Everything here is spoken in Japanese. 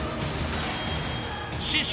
［師匠。